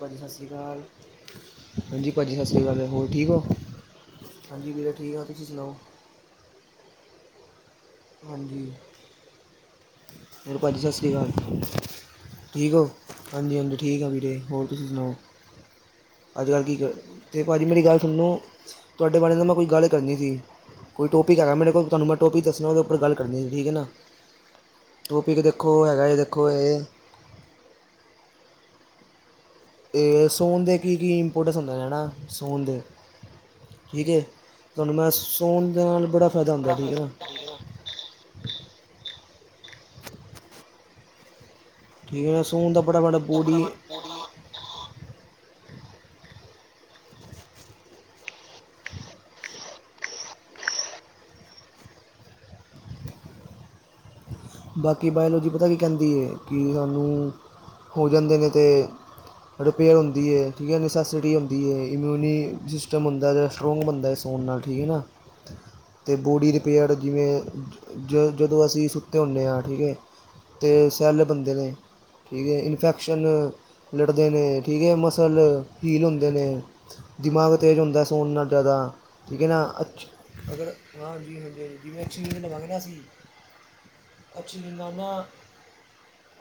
ਭਾਜੀ ਸਤਿ ਸ਼੍ਰੀ ਅਕਾਲ। ਹਾਂਜੀ ਭਾਜੀ ਸਤਿ ਸ਼੍ਰੀ ਅਕਾਲ ਹੋਰ ਠੀਕ ਹੋ ਹਾਂਜੀ ਵੀਰੇ ਠੀਕ ਆਂ ਤੁਸੀਂ ਸੁਣਾਓ। ਹਾਂਜੀ ਹੋਰ ਭਾਜੀ ਸਤਿ ਸ਼੍ਰੀ ਅਕਾਲ। ਠੀਕ ਹੋ ਹਾਂਜੀ-ਹਾਂਜੀ ਠੀਕ ਆਂ ਵੀਰੇੇ ਹੋਰ ਤੁਸੀਂ ਸੁਣਾਓ। ਅੱਜ ਕੱਲ੍ਹ ਕੀ ਕਰ ਤੇ ਭਾਜੀ ਮੇਰੀ ਗੱਲ ਸੁਣੋ ਤੁਹਾਡੇ ਬਾਰੇ ਮੈਂ ਕੋਈ ਗੱਲ ਕਰਨੀ ਸੀ। ਕੋਈ ਟੋਪਿਕ ਹੈਗਾ ਮੇਰੇ ਕੋਲ ਤੁਹਾਨੂੰ ਮੈ ਟੋਪਿਕ ਦੱਸਣਾ ਉਹਦਾ ਗੱਲ ਕਰਨੀ ਠੀਕ ਹਨਾ ਟੋਪਿਕ ਦੇਖੋ ਹੈਗਾ ਹੈ ਦੇਖੋ ਇਹ ਏ ਸੋਣ ਦੇ ਕੀ-ਕੀ ਇੰਪੋਟੈਂਸ ਹੁੰਦੇ ਨੇ ਨਾ ਸੋਣ ਦੇ। ਠੀਕ ਹੈ ਤੁਹਾਨੂੰ ਮੈਂ ਸੋਣ ਦੇ ਨਾਲ ਬੜਾ ਫਾਇਦਾ ਹੁੰਦਾ ਠੀਕ ਹੈ ਨਾ। ਮ ਸੂਡ [unintelligible] ਬਾਕੀ ਬਾਇਓਲੋਜੀ ਪਤਾ ਕੀ ਕੈਂਦੀ ਹੈ ਕਿ ਸਾਨੂੰ ਹੋ ਜਾਂਦੇ ਨੇ ਤੇ ਰਿਪੇਅਰ ਹੁੰਦੀ ਏ ਠੀਕ ਹੈ ਨਸੈਸਿਟੀ ਹੁੰਦੀ ਏ। ਇਮਿਊਨ ਸਿਸਟਮ ਹੁੰਦਾ ਸਟਰੋਂਗ ਬਣਦਾ ਸੌਣ ਨਾਲ ਠੀਕ ਹੈ ਨਾ। ਤੇ ਬੋਡੀ ਰਿਪੇਅਰ ਜਿਵੇਂ ਜ ਜਦੋਂ ਅਸੀਂ ਸੁੱਤੇ ਹੁੰਦੇ ਆਂ ਠੀਕ ਏ। ਤੇ ਸੈਲ ਬਣਦੇ ਨੇ। ਠੀਕ ਹੈ ਇਨਫੈਕਸ਼ਨ ਲੜਦੇ ਨੇ ਠੀਕ ਹੈ ਮਸਲ ਫੀਲ ਹੁੰਦੇ ਨੇ। ਦਿਮਾਗ ਤੇਜ਼ ਹੁੰਦਾ ਸੌਣ ਨਾਲ ਜਾਦਾ ਠੀਕ ਹੈ ਨਾ ਅਛ ਅਗਰ ਹਾਂਜੀ-ਹਾਂਜੀ ਜਿਵੇਂ ਚੀਜ਼ ਲਵਾਾਂਗੇ ਨਾ ਅਸੀਂ ਅੱਛਾ ਜੀ ਨਾਨਾ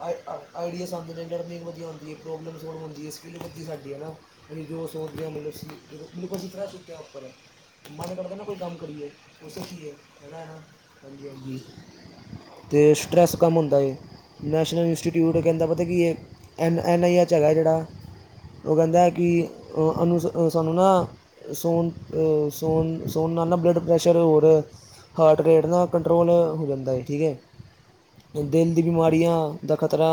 ਆਈ ਆਈਡੀਆਸ ਆਂਦੇ ਨੇ ਲਰਨਿੰਗ ਵਧੀਆ ਹੁੰਦੀ ਏ ਪ੍ਰੋਬਲਮ ਸੋਲਵ ਹੁੰਦੀ ਏ ਸਕਿੱਲ ਵਧੀ ਸਾਡੀ ਹਨਾ। ਅਸੀ ਜੋ ਸੋਚਦੇ ਹਾਂ ਮਤਲਬ ਸੀ ਬਿਲਕੁਲ ਅਸੀਂ ਫਰੈਸ਼ ਉਠੇ ਉੱਪਰ ਮਨ ਕਰਦਾ ਨਾ ਕੋਈ ਕੰਮ ਕਰੀਏ ਓ ਸਿੱਖੀਏ ਹੈ ਨਾ ਹੈ ਨਾ ਹਾਂਜੀ-ਹਾਂਜੀ। ਤੇ ਸਟਰੈਸ ਕੰਮ ਹੁੰਦਾ ਏ ਨੈਸ਼ਨਲ ਇੰਸਟੀਟਿਊਟ ਕਹਿੰਦਾ ਪਤਾ ਕਿ ਇਹ ਐੱਨ ਐੱਨ ਆਈ ਐੱਚ ਹੈਗਾ ਜਿਹੜਾ, ਉਹ ਕਹਿੰਦਾ ਹੈ ਕਿ ਅਨੂੰ ਸਾਨੂੰ ਨਾ ਸੌਣ, ਸੋਣ ਸੋਣ ਨਾਲ ਬਲਡ ਪ੍ਰੈਸ਼ਰ ਹੋਰ, ਹਾਰਟ ਰੇਟ ਨਾ ਕੰਟਰੋਲ ਹੋ ਜਾਂਦਾ ਏ ਠੀਕ ਹੈ। ਦਿਲ ਦੀ ਬਿਮਾਰੀਆਂ ਦਾ ਖਤਰਾ,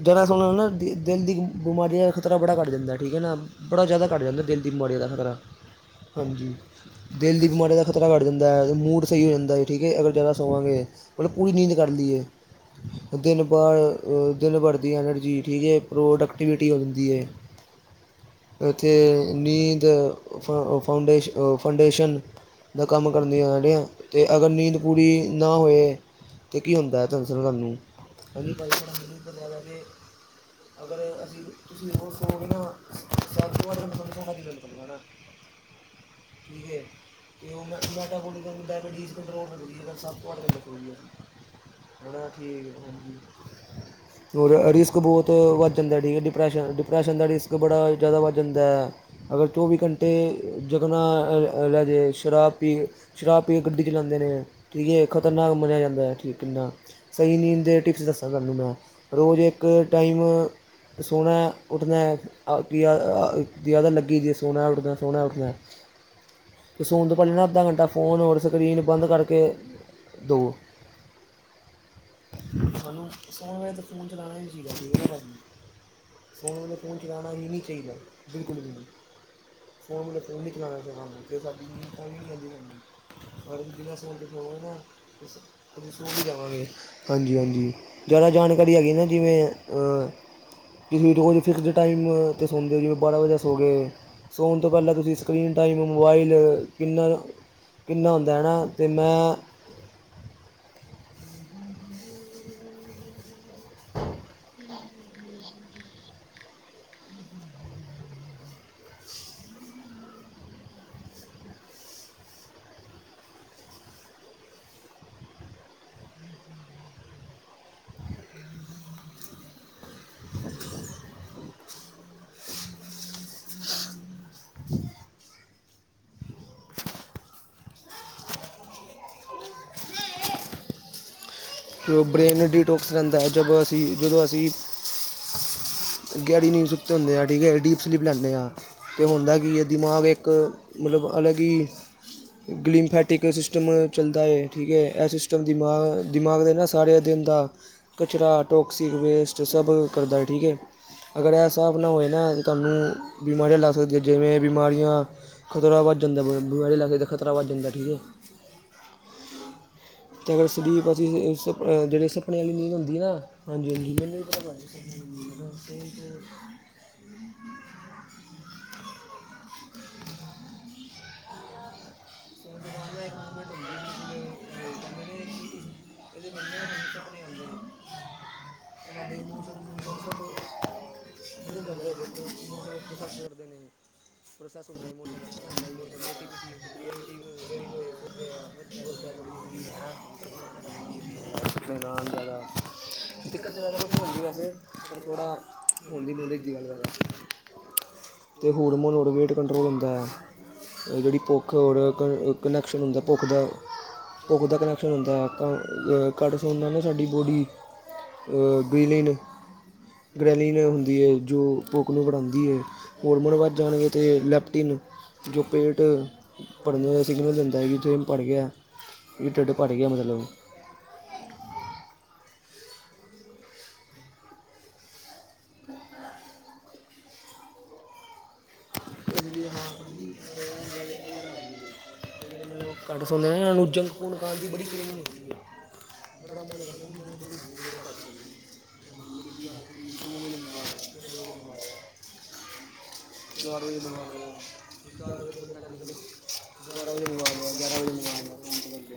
ਜਿਆਦਾ ਸੋਣਾ ਨਾ ਦਿਲ ਦੀ ਬਿਮਾਰੀਆਂ ਦਾ ਖਤਰਾ ਬੜਾ ਘੱਟ ਜਾਂਦਾ ਠੀਕ ਹੈ ਨਾ ਬੜਾ ਜ਼ਿਆਦਾ ਘੱਟ ਜਾਂਦਾ ਦਿਲ, ਤੇ ਬਿਮਾਰੀਆ ਦਾ ਖਤਰਾ, ਹਾਂਜੀ ਮੇਨਦੀ ਦਿਮਾਗੇ ਦਾ ਖ਼ਤਰਾ ਵੱਧ ਜਾਂਦਾ ਹੈ ਮੂਡ ਸਹੀ ਹੋ ਜਾਂਦਾ ਠੀਕ ਹੈ ਅਗਰ ਜ਼ਿਆਦਾ, ਸੋਵਾਂਗੇ ਮਤਲਬ ਪੂਰੀ ਨੀਂਦ ਕਰਦੀ ਹੈ। ਦਿਨ ਭਰ ਦਿਨ ਭਰ ਦੀ ਐਨਰਜੀ ਠੀਕ ਹੈ ਪ੍ਰੋਡਕਟੀਵਿਟੀ ਹੁੰਦੀ ਏ। ਉਥੇ ਇੰਨੀ ਜਾ ਫ ਫਾਊਂਡ ਫਾਊਂਡੇਸ਼ਨ, ਦਾ ਕੰਮ ਕਰਦੀਆਂ ਸਾਡੇ ਤੇ ਅਗਰ ਨੀਂਦ ਪੂਰੀ ਨਾ ਹੋਏ, ਤੇ ਕੀ ਹੁੰਦਾ ਹੈ ਧ ਸਾਨੂੰ [unintelligible] ਅਗਰ ਅਸੀਂ ਤੁਸੀਂ ਉਹ ਸੋਗੇ ਨਾ ਸ [unintelligible] ਹ ਠੀਕ ਹੈ ਤੇ ਉਹ ਮੈ ਮੈਟਾਬੋਲੀਿਜ਼ਮ ਡਾਇਬੀਟੀਜ਼ ਕੰਟਰੋਲ ਰੱਖਦੀ ਹੈ ਅਗਰ ਸੱਤ ਤੋਂ ਅੱਠ ਘੰਟੇ, ਸੋਰੀ ਆ ਸੀ, ਉਹਨਾਂ ਕੀ ਔਰ ਰਿਸਕ ਬੋਤ ਵੱਧ ਜਾਂਦਾ ਠੀਕ ਹੈ ਡਿਪਰੈਸ਼ਨ ਡਿਪਰੈਸ਼ਨ ਦਾ ਰਿਸਕ ਬੜਾ ਜ਼ਿਆਦਾ ਵੱਧ ਜਾਂਦਾ। ਅਗਰ ਚੌਵੀ ਘੰਟੇ ਜਗਨਾ ਲੈ ਜੇ ਸ਼ਰਾਬ ਪੀ ਸ਼ਰਾਬ ਪੀ ਕੇ ਗੱਡੀ ਚਲਾਦੇ ਨੇ। ਠੀਕ ਐ ਏ ਖ਼ਤਰਨਾਕ ਮਨਿਆ ਜਾਂਦਾ ਹੈ ਠੀਕ ਕਿੰਨਾ ਸਹੀ ਨੀ ਦੇ ਟਿਪਸ ਦੱਸਾਂ ਤੁਹਾਨੂੰ ਮੈਂ ਰੋਜ਼, ਕੋ ਟਾਈਮ, ਸੋਣਾ ਉੱਠਣਾ ਅ ਕੀ ਆ ਜ਼ਿਆਦਾ ਲੱਗੀ ਦੀ ਸੋਣਾ ਉੱਠਣਾ ਸੋਣਾ ਉੱਠਣਾ, ਤੇ ਸੋਣ ਤੋਂ ਪਲੇ ਨਾ ਅੱਧਾ ਘੰਟਾ ਫੋਨ ਔਰ ਸਕਰੀਨ ਬੰਦ ਕਰਕੇ, ਦੋ, ਤੁਹਾਨੂੰ ਸੋਣ ਵੇਲੇ ਤਾਂ ਫ਼ੋਨ ਚਲਾਉਣਾ ਹੀ ਚਾਹੀਦਾ ਠੀਕ ਹੈ ਨਾ ਭਾਜੀ, ਸੋਣ ਵੇਲੇ ਫੋਨ ਚਲਾਉਣਾ ਹੀ ਨਹੀਂ ਚਾਹੀਦਾ ਬਿਲਕੁਲ ਵੀ ਨਹੀ। ਸੋਣ ਵੇਲੇ ਫ਼ੋਨ ਨੀ ਚਲਾਉਣਾ ਚਾਹੀਦਾ ਸਾਨੂੰ ਤੇ ਸਾਡੀ ਨੀਂਦ ਤਾਂ ਵੀ ਨਹੀ ਆਉਂਦੀ ਸਾਨੂੰ, ਅਗਰ ਅਸੀਂ ਬਿਨਾਂ ਫੋਨ ਤੋਂ ਸੋਵਾਗੇ ਨਾ, ਜਾਵਾਂਗੇ, ਹਾਂਜੀ-ਹਾਂਜੀ ਜ਼ਿਆਦਾ ਜਾਣਕਾਰੀ ਹੈਗੀ ਨਾ ਜਿਵੇਂ ਅ ਤੁਸੀ ਰੋਜ ਫਿਕਸਡ ਟਾਈਮ 'ਤੇ ਸੋਣਦੇ ਨੀ ਹੋ ਜਿਵੇਂ ਬਾਰਾਂ ਵਜੇ ਸੋ ਗਏ, ਸੋਣ ਤੋਂ ਪਹਿਲਾਂ ਤੁਸੀਂ ਸਕ੍ਰਰੀਨ ਟਾਈਮ ਮੋਬਾਈਲ ਕਿੰਨਾ, ਕਿੰਨਾ ਹੁੰਦਾ ਹੈ ਤੇ ਨਾ, ਜੋ ਬ੍ਰਰੇਨ ਡੀਟੋਕਸ ਰਹਿੰਦਾ ਹੈ ਜਦੋ ਅਸੀਂ ਜਦੋ ਅਸੀਂ, ਗਹਿਰੀ ਨੀਂਦ ਸੁੱਤੇ ਹੁੰਦੇ ਆ ਠੀਕ ਹੈ ਡੀਪ ਸਲੀਪ ਲੈਂਣੇ ਹਾਂ ਅਤੇ ਹੁੰਦਾ ਕਿ ਦਿਮਾਗ ਇੱਕ, ਮਤਲਬ ਅਲੱਗ ਹੀ, ਗਲਿਮਫੈਟਿਕ ਸਿਸਟਮ ਚਲਦਾ ਹੈ ਠੀਕ ਹੈ ਇਹ ਸਿਸਟਮ ਦਿਮਾਗ ਦਿਮਾਗ ਦਾ, ਸਾਰੇ ਦਿਨ ਦਾ ਕਚਰਾ ਟੋਕਸੀ ਵੇਸਟ ਸਭ ਕਰਦਾ ਆ ਠੀਕ ਆ। ਅਗਰ ਇਹ ਹਿਸਾਬ ਨਾਲ ਹੋਵੇ ਨਾ ਤੁਹਾਨੂੰ ਬਿਮਾਰੀਆਂ ਲੱਗ ਸਕਦੀਆਂ ਜਿਵੇਂ ਬਿਮਾਰੀਆਂ, ਖਤਰਾ ਵੱਧ ਜਾਂਦਾ ਬੀਮਾਰੀ ਲਗ ਕੇ ਖਤਰਾ ਵੱਧ ਜਾਂਦਾ ਠੀਕ ਹੈ। ਤੇ ਸਲੀਪ ਅਸੀਂ ਏਸ, ਏ ਜਿਹੜੀ ਸੁਪਨੇ ਆਲੀ ਨੀਂਦ ਹੁੰਦੀ ਆ ਨਾ, ਹਾਂਜੀ ਹਾਂਜੀ, ਮੈਨੂੰ ਨਹੀਂ ਪਤਾ [unintelligible] [inaudible] ਂਂਂਂਂ ਸੌਣ ਤੋਂ ਬਾਅਦ ਨਾ ਇੱਕ ਮੂਵਮੈਂਟ ਹੁੰਦੀ ਐ ਬਿਲਕੁਲ ਕਹਿੰਦੇ ਨੇ ਕਿ ਇਸ ਇਹਦੇ ਵੇਲੇ ਸਾਨੂੰ ਸੁਪਨੇ ਆਦੇ ਨੇ, ਸਾਡੇ ਸਾਡੇ ਮੋਸ਼ਨ ਨੂੰ ਸਭ ਸਭ ਬਦਲ ਜਾਂਦੇ ਨੇ [unintelligible] ਇਮੋਸ਼ਨ ਪ੍ਰੋਸੈਪਸ ਕਰਦੇ ਨੇ ਪ੍ਰੋਸੈਸ ਹੁੰਦਾ ਈ ਇਮੋਸ਼ਨ ਸਾਡਾ ਤੇ ਕ੍ਰੀਏਟੀਿਵਿਟੀ ਕ੍ਰੀਏਟਿਵ ਸੋਚਦੇ ਆ, ਵੱਧਦਾ ਬੜੀ ਜ਼ਰੂਰੀ ਹੈਨਾ ਤੁਹਾਨੂੰ ਸੁਪੇ ਜਾਣਾ ਵੀ ਜ਼ਰੂਰੀ ਹੁੰਦਾ ਅਰ ਸਪ ਸੁਪਨੇ ਨਾ ਆਣ ਜਾਦਾ ਦਿੱਕਤ ਜਿਆਦਾ ਤੇ ਨੀ ਹੁੰਦੀ ਵੈਸੇ, ਪਰ ਥੋੜਾਪ ਹੁਨ ਦੀ ਨਲੇਜ ਦੀ ਗੱਲ ਕਰਦਾਂ [unintelligible] ਕੰਟਰੋਲ ਹੁੰਦਾ ਐ, ਜਿਹੜੀ ਭੁੱਖ ਓੜ ਕ ਕਨੈਕਸ਼ਨ ਹੁੰਦਾ ਭੁੱਖ ਦਾ ਭੁੱਖ ਦਾ ਕਨੈਕਸ਼ਨ ਹੁੰਦਾ, ਕਟ ਅ ਸੌਣ ਨਾ ਸਾਡੀ ਬੋਡੀ ਆ ਬਿਨੀਨ ਗ੍ਰੈਲੀਨ ਹੁੰਦੀ ਆ ਜੋ ਭੁਕ ਨੂੰ ਬੜਾਦੀ ਆ ਹੈ ਹੋਰਮੋੜ ਵੱਧ ਜਾਣਗੇ ਅਤੇ ਲੈਪਟੀਨ ਜੋ ਪੇਟ ਭੜ੍ਹਨ ਦਾ ਸਿਗਨਲ ਦਿੰਦਾ ਜੀ ਜੇ ਹੁਨ ਭੜ ਗਿਆ ਢੇਡ ਭਰ ਗਿਆ ਮਤਲਬ ਇਸ ਹਾਂ ਭਾਜੀ ਗੱਲ ਏਹੀ ਗੱਲ ਇਹਹੀ ਗੱਲ ਹੈਗੀ ਜੇ। ਜਿਹੜੇ ਮਲਬ ਘਟ ਸੌਂਦੇ ਨੇ ਉਹਨਾਂ ਨੂੰ ਜੰਕ ਫੂਕ ਖਾਣ ਦੀ ਬੜੀ ਕਰੇਵਿੰਗ ਹੁੰਦੀ ਐ। ਬੜਾ ਮਨ ਕਰਦਾ ਕਿ ਜੰਕ ਫੂਡ ਖਾਈਏ ਜਿਹੜੇ ਘੱਟ ਸੋਦੇ ਨੇ ਹਾਂਜੀ ਕਦੀ ਰਾਤੀ ਦੋ ਵਜੇ ਮੰਗਵਾ ਲਿਆ ਤਿੰਨ ਵਜੇ ਮੰਗਵਾ ਲਿਆ। ਚਾੜ ਵਜੇ ਮੰਗਵਾ ਲਿਆ ਚਾੜ ਵਜੇ ਤੇ ਚਲ ਖੁੱਲਦਾ ਨਹੀਂ ਚਲੋ ਬਾਰਾਂ ਵਜੇ ਮੰਗਵਾ ਲਿਆ। ਗਿਆਰਾਂ ਵਜੇ ਮੰਗਵਾ ਲਿਆ ਸੌਣ ਤੋਂ ਪਹਿਲੇ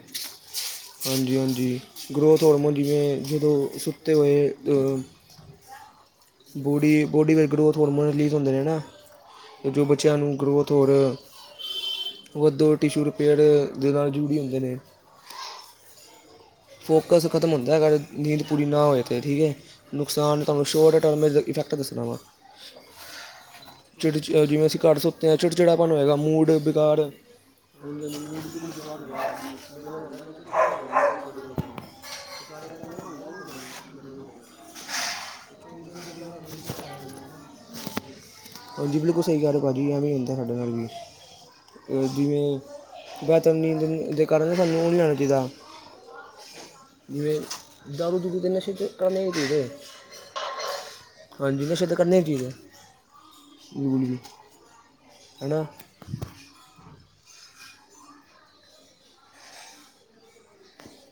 ਹਾਂਜੀ ਹਾਂਜੀ ਗਰੋਥ ਹੋਰਮੋਨ ਜਿਵੇਂ ਜਦੋਂ ਸੁੱਤੇ ਹੋਏ ਆ ਬੋਡੀ ਬਾਡੀ ਦੇ ਗਰੋਥ ਹਾਰਮੋਨ ਰਿਲੀਜ਼ ਹੁੰਦੇ ਨੈ ਨਾ ਜੋ ਬੱਚਿਆਂ ਨੂੰ ਗਰੋਥ ਹੋਰ ਵੱਧੋ ਵਾਦੀ ਰਿਪੇਅਰ ਜੂੜਾ ਜਰੂਰੀ ਹੁੰਦੇ ਨੇ। ਫੋਕਸ ਖਤਮ ਹੁੰਦਾ ਹੈਗਾ ਅਗਰ ਨੀਂਦ ਪੂਰੀ ਨਾ ਹੋਵੇ ਤਾਂ ਠੀਕ ਐ, ਨੁਕਸਾਨ ਸ਼ੋਰ ਟਰਮ ਇਫਕ ਦੱਸ ਨਵਾਂ ਚਿੜਚ ਜਿਵੇਂ ਅਸੀਂ ਘਟ ਸੁੱਤੇ ਹਾਂ ਚਿੜਚਿੜਾਪਨ ਹੋਏਗਾਂ ਮੂਡ ਬੇਕਾੜ ਹੁਣ ਮੈਨੂੰ ਮੂੜ ਬਿਲਕੁਲ ਬੇਕਾਰ ਹੋ ਜਾਂਦਾ ਪਾਜੀ ਮੇਰੇ ਨਾਲ ਹੁੰਦਾ ਮੈ ਚਿੜਚਿੜਾ ਹੋ ਜਾਦਾਂ ਸਵੇਰੇ ਉੱਠਦਾ ਵਾਂ। ਤੇ ਸਾਰੇ ਕਹਿੰਦੇ ਨਾ ਹੁੰਦਾ ਕਿ ਤੈਨੂੰ ਤੂੰ ਸਾਵੇਰੇ ਉੱਡਦਾ ਏ। ਤੇ ਛੋਟੀ ਛੋਟੀ ਗੱਲਾ ਸਾਨੂੰ ਗੁੱਸਾ ਆ ਜਾਂਦਾ ਹਨਾ ਹਾਂਜੀ। ਹਾਂਜੀ ਬਿਲਕੁਲ ਸਹੀ ਕੈਹ ਰਹੇ ਭਾਜੀ ਐਵੇਂ ਹੁੰਦਾ ਹਾਡੇ ਨਾਲ ਵੀ। ਅਹ ਜਿਵੇਂ ਰਾਤ ਨੀਂਦ ਦੇ ਕਾਰਨ ਸਾਨੂੰ ਉਹ ਨਹੀਂ ਲੈਣਾ ਚਾਹੀਦਾ ਜਿਵੇਂ ਦਾਰੂ ਦੂਰੂ ਦੇ ਨਾਛੇ ਤੇ ਕਰਨੇ ਨਈ ਚਾਹਿਦੇ ਹਾਂਜੀ ਨਛੇ ਕਰਨੇ ਨਈ ਚਾਹੀਦੇ। ਹੂੰ, ਹਨਾ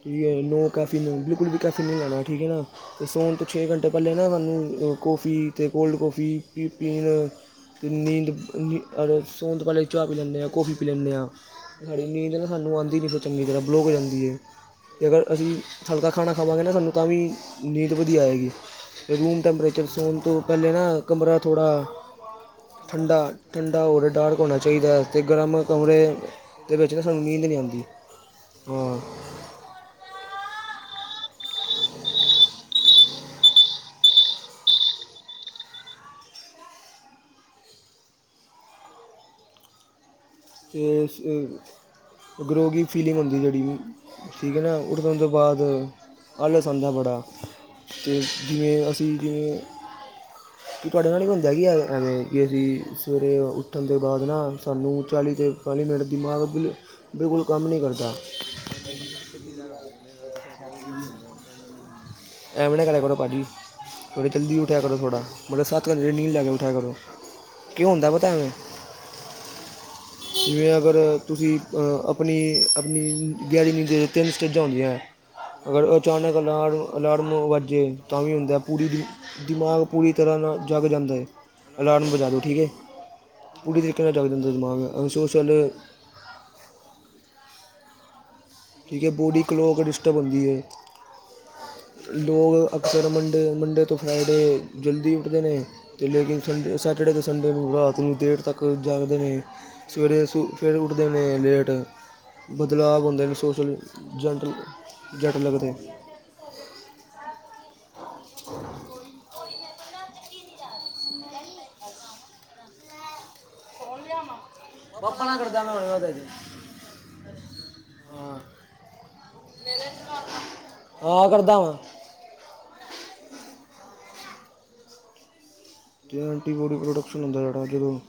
ਕਿਆਨੋ ਕਾਫੀਨੋ ਬਿਲਕੁਲ ਵੀ ਕਖ਼ ਨਈ ਲੇਨਾ ਠੀਕ ਹੈ ਨਾ, ਤੇ ਸੌਣ ਤੋਂ ਛੇ ਘੰਟੇ ਪਹਿਲੇ ਸਾਨੂੰ ਨਾ ਓ ਕੌਫੀ ਅਤੇ ਕੋਲਡ ਕੌਫੀ ਪੀ ਪੀਨ ਤੇ ਨੀਦ ਨੀ ਸੌਣ ਤੋਂ ਪਹਿਲੇ ਚਾਹ ਪੀ ਲੈਨੇ ਆ, ਕਾਫੀ ਪੀ ਲੈਨੇ ਆ ਹਾਡੀ ਨੀਂਦ ਨਾ ਹਾਨੂੰ ਆਦੀ ਨੀ ਚਗੀਂ ਤਰਹ ਬਲੋਕ ਹੋ ਜਾਂਦੀ ਐ। ਜੇਕਰ ਅਸੀਂ ਹਲਕਾ ਖਾਣਾ ਖਾਵਾਂਗੇ ਨਾ ਸਾਨੂੰ ਤਾਂ ਵੀ ਨੀਂਦ ਵਧੀਆ ਆਏਗੀ! ਤੇ ਰੂਮ ਟੈਂਪਰੇਚਰ ਸੌਣ ਤੋਂ ਪਹਿਲਾਂ ਨਾ ਕਮਰਾ ਥੋੜਾ ਠੰਡਾ ਠੰਡਾ ਔਰ ਡਾਰਕ ਹੋਣਾ ਚਾਹੀਦਾ ਤੇ ਗਰਮ ਕਮਰੇ ਦੇ ਵਿੱਚ ਨਾ ਸਾਨੂੰ ਨੀਂਦ ਨਈ ਆਦੀ, ਹਾਂ ਅਤੇ ਏਸ ਗਰੋਗੀ ਫੀਲਿੰਗ ਹੁੰਦੀ ਜਿਹੜੀ ਵੀ, ਠੀਕ ਏ ਨਾ। ਉੱਠਦੋ ਤੋਂ ਬਾਦ ਆਲਸ ਆਂਦਾ ਬੜਾ। ਤੇ ਜਿਵੇਂ ਅਸੀ ਜਿਵੇਂ ਕਿ ਤੁਹਾਡੇ ਨਾਲ ਵੀ, ਹੁੰਦਾ ਐ ਕੀ ਐਵ ਐਵੇਂ ਕੀ ਅਸੀ ਸਵੇਰੇ ਉੱਠਣ ਦੇ, ਬਾਦ ਨਾ ਸਾਨੂੰ ਚਾਲੀ ਤੇ ਬਾਤਲੀ ਮਿੰਟ ਦਿਮਾਗ ਬਿਲਕੁਲ ਕੰਮ ਨਹੀਂ ਕਰਦਾ। ਹਾਂਜੀ ਭਾਜੀ ਕਦੀ ਕਦਾਰ ਹੁੰਦਾ ਐ। ਮੇਰੇ ਨਾਲ ਤੇ, ਸੈ਼ਦ ਰੋਜੀ ਹੁੰਦਾ ਐ। ਹਾਂਜੀ-ਹਾਂਜੀ ਐਵੇਂ ਨਾ ਕਰੇ ਆ ਕਰੋ ਭਾਜੀ। ਥੋੜਾ ਜਲਦੀ ਉਠ ਆ ਕਰੋ ਥੋੜਾ। ਮਗਰ ਸੱਤ ਵਜੇ ਨੀਲ ਜਾਕੇ ਉਠ ਆ ਕਰੋ। ਕਿਉ ਹੁੰਦਾ ਪਤਾ ਐਵੇਂ। ਜਿਵੇਂ ਅਗਰ ਤੁਸੀ ਅਪਣੀ-ਅਪਣੀ ਗੈਰੀ ਨੀਂਦ ਤਿੰਨ ਸਟੇ ਜਾਂ ਹੁੰਦੀਆਂ। ਅਗਰ ਅਚਾਨਕ ਅਲਾਰ ਅਲਾਰਮ ਵਾਜੇ ਤਾਂ, ਵੀ ਹੁੰਦਾ ਐ ਪੂਰੀ ਦੀ ਦਿਮਾਗ ਪੂਰੀ ਤਰ੍ਹਾਂ ਨਾ ਜਗ ਜਾਂਦਾ ਏ। ਅਲਾਰਮ ਵਜਾ ਦੋ ਠੀਕ ਏ। ਪੂਰੀ ਤਰੀਕੇ ਨਾਲ ਜਗ ਜਾਂਦੇ ਦਿਮਾਗ। ਅ ਸ਼ੋਸ਼ਲ ਠੀਕ ਏ, ਬੋਡੀ ਕਲੋਕ ਡਿਸਟਰਬ ਹੁੰਦੀ ਏ। ਲੋਗ ਅਕਸਰ ਮੰਡੇ-ਮੰਡੇ ਤੋਂ ਫਰਾਈਡੇ ਜਲਦੀ ਉਠਦੇ ਨੇ ਤੇ ਲੇਕਿਨ ਸੰਡੇ ਸੈ ਜਿਹੜੇ ਤੇ, ਸੰਡੇ ਨੂੰ ਰਾਤ ਨੂੰ ਦੇਰ ਤੱਕ ਜਾਗਦੇ ਨੇ, ਸਵੇਰੇ ਫੇਰ ਉੱਠਦੇ ਨੇ ਲੇਟ। ਬਦਲਾਵ ਹੁੰਦੇ ਨੇ, ਸੋਸ਼ਲ ਜੈੱਟਲ ਜੈਟਲਕ ਲੱਗਦੇ। ਕੋਈ [unintelligible] ਹਾਂ, ਹਾਂ ਕਰਦਾ ਵਾ। ਜੇ ਐਂਟੀਬਾਡੀ ਪ੍ਰੋਡਕਸ਼ਨ ਹੁੰਦਾ ਐ ਜਦੋਂ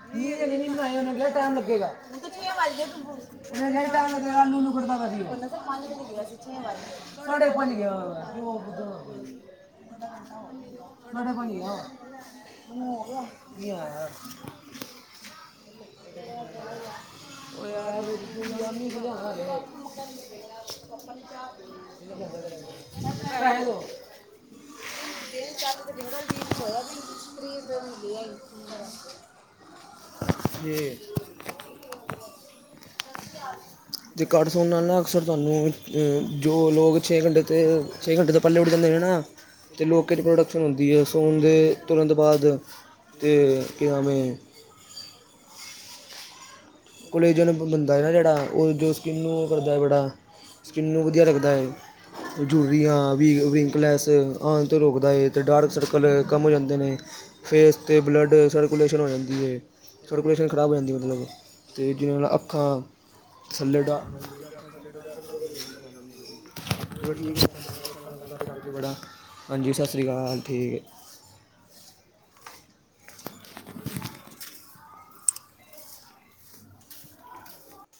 [unintelligible] [unintelligible] [unintelligible] [unintelligible] [unintelligible] [unintelligible] [unintelligible] [unintelligible] [unintelligible] ਜੇ [unintelligible] [unintelligible] ਜੇ ਘੱਟ ਸੋਣ ਨਾਲ ਨਾ, ਅਕਸਰ ਤੁਹਾਨੂੰ ਜੋ ਲੋਕ ਛੇ ਘੰਟੇ ਤੇ ਛੇ, ਘੰਟੇ ਤੋਂ ਪੈਲੇ ਉੱਠ ਜਾਂਦੇ ਨੇ ਨਾ ਤੇ ਲੋਕੇਟ ਪ੍ਰੋਡਕਸ਼ਨ ਹੁੰਦੀ ਏ। ਸੌਣ ਦੇ ਤੁਰਂਨ ਬਾਦ ਤੇ ਕੀ ਨਾਮ ਏ ਕੋਲੇਜਨ ਮਿਲਦਾ ਏ। ਨਾ ਜੇੜਾ ਓ ਜੋ, ਸਕਿੰਨ ਨੂੰ ਓ ਕਰਦਾ ਏ ਬੜਾ। ਸਕਿੰਨ ਨੂੰ ਵਧੀਆ ਰੱਖਦਾ ਏ। ਜੂਰੀਆਂ ਵਿ ਵਿੰਕਲੈਸ ਆਣ ਤੋਂ ਰੋਕਦਾ ਏ। ਤੇ ਡਾਰਕ ਸਰਕਲ ਕਮ ਹੋ ਜਾਂਦੇ ਨੇ। ਫੇਸ ਤੇ ਬਲੱਡ ਸਰਕੂਲੇਸ਼ਨ ਹੋ ਜਾਂਦੀ ਏ। ਸਰਕੂਲੇਸ਼ਨ ਖਰਾਬ ਹੋ ਜਾਂਦੀ ਮਤਲਬ। ਤੇ ਜਿਵੇਂ ਅੱਖਾਂ ਥੱਲੇ ਡਾ ਹਾਂਜੀ ਡਾ ਅੱਖਾਂ ਥੱਲੇ ਡਾਕਸਰ ਸਰਕਲ ਹੋ ਜਾਂਦੇ ਨੇ। ਹਾਂਜੀ-ਹਾਂਜੀ। ਚਲੋ ਠੀਕ ਏ, ਭਾਜੀ ਤੁਹਾਨੂੰ ਅੱਛਾ ਲੱਗੇਆ ਗਲ ਕਰਕੇ ਬੜਾ। ਹਾਂਜੀ ਸਤਿ ਸ਼੍ਰੀ ਅਕਾਲ। ਠੀਕ ਏ। [unintelligible]